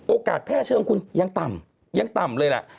โอกาสแพร่เชื้อมันยังต่ำยังต่ำเลยแหละ